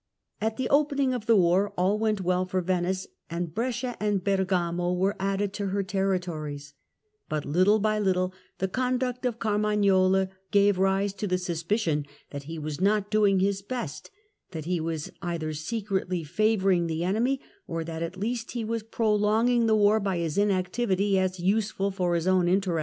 At the opening of the war all went well for Venice, Greatest and Brescia and Bergamo were added to her territories ; Venetian but little by little the conduct of Carmagnola gave rise to the suspicion that he was not doing his best, that he was either secretly favouring the enemy, or that at least he was prolonging the war by his inactivity as useful CatUr8%>.